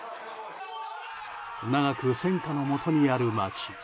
長く戦禍のもとにある街。